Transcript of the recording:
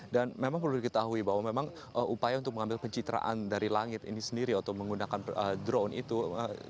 dan memang perlu diketahui bahwa memang upaya untuk mengambil pencitraan dari langit ini sendiri atau menggunakan drone itu disebutkan sangat penting